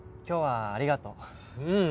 今日はありがとう。